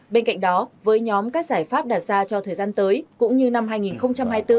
bên cạnh đó với nhóm các giải pháp đạt ra cho thời gian tới cũng như năm hai nghìn hai mươi bốn